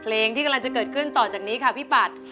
เพลงที่กำลังจะเกิดขึ้นต่อจากนี้ค่ะพี่ปัด